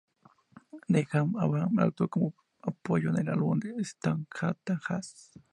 The Gap Band actuó como apoyo en el álbum "Stop All That Jazz".